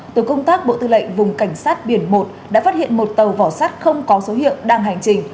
tổ công tác bộ tư lệnh vùng cảnh sát biển một đã phát hiện một tàu vỏ sắt không có số hiệu đang hành trình